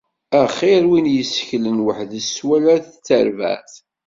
Axir win yessaklen weḥd-s wala d terbaεt.